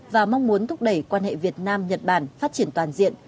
và mong muốn thúc đẩy quan hệ việt nam nhật bản phát triển toàn diện